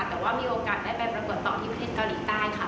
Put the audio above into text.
แต่ว่ามีโอกาสได้ไปปรากฏต่อที่ประเทศเกาหลีใต้ค่ะ